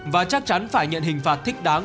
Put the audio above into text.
và chắc chắn phải nhận hình phạt thích đáng